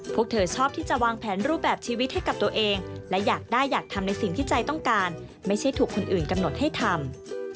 พวกเธอชอบที่จะวางแผนรูปแบบชีวิตให้กับตัวเองและอยากได้อยากทำในสิ่งที่ใจต้องการไม่ใช่ถูกคนอื่นกำหนดให้ทำ